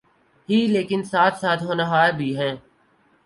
ہی لیکن ساتھ ساتھ ہونہار بھی ہیں۔